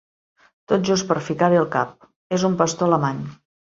Tot just per ficar-hi el cap. És un pastor alemany.